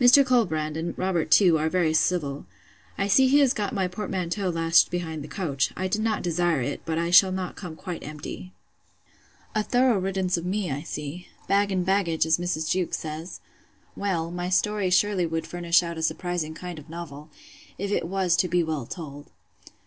Mr. Colbrand, and Robert too, are very civil. I see he has got my portmanteau lashed behind the coach. I did not desire it; but I shall not come quite empty. A thorough riddance of me, I see!—Bag and baggage! as Mrs. Jewkes says. Well, my story surely would furnish out a surprising kind of novel, if it was to be well told.